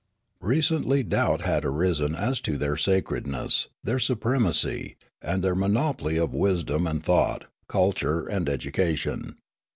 Recently doubt had arisen as to their sacredness, their supremacy, and their monopoly of wisdom and thought, culture and education.